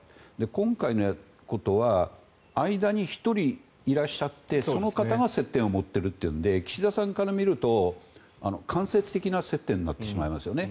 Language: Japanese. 今回のことは間に１人いらっしゃってその方が接点を持ってるというので岸田さんから見ると間接的な接点になってしまいますよね。